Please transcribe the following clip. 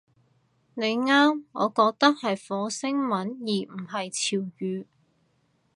你啱，我覺得係火星文而唔係潮語